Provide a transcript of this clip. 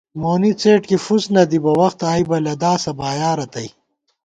مونی څېڈ کی فُسنَدِبہ وَخ آئیبہ لَداسہ بایا رتئ